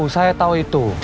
saya tahu itu